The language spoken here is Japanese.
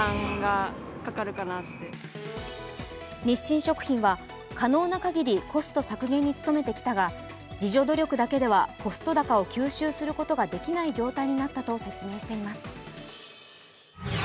日清食品は可能な限りコスト削減に努めてきたが自助努力だけではコスト高を吸収することができない状況になったと説明しています。